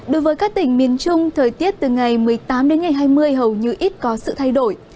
đối với các tỉnh miền trung thời tiết từ ngày một mươi tám đến ngày hai mươi hầu như ít có sự thay đổi